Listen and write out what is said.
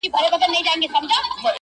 o چوپتيا تر ټولو درنه ښکاري ډېر,